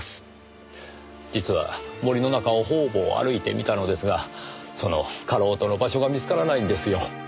実は森の中を方々歩いてみたのですがそのかろうとの場所が見つからないんですよ。